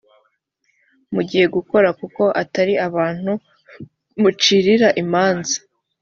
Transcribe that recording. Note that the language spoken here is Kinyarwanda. mugiye gukora kuko atari abantu mucirira imanza